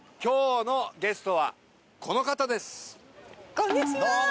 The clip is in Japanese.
こんにちは！